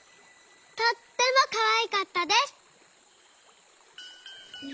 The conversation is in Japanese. とってもかわいかったです」。